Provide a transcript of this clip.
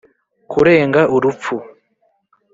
kurenga urupfu